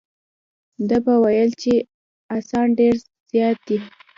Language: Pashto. ده به ویل چې اسان ډېر زیات دي.